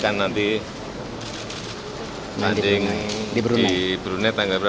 agak berubah pola